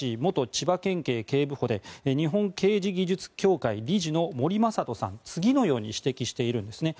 千葉県警警部補で日本刑事技術協会理事の森雅人さんは次のように指摘しているんです。